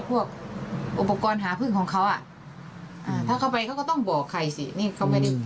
พวกอุปกรณ์หาพึ่งของเขาอ่ะอ่าถ้าเขาไปเขาก็ต้องบอกใครสินี่เขาไม่ได้